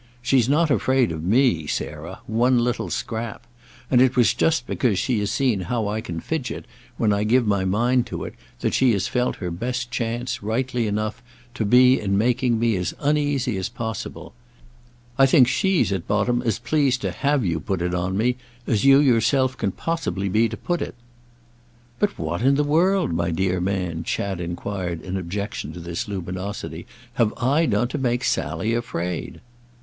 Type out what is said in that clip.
She's not afraid of me, Sarah, one little scrap; and it was just because she has seen how I can fidget when I give my mind to it that she has felt her best chance, rightly enough to be in making me as uneasy as possible. I think she's at bottom as pleased to have you put it on me as you yourself can possibly be to put it." "But what in the world, my dear man," Chad enquired in objection to this luminosity, "have I done to make Sally afraid?"